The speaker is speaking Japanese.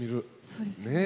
そうですよね。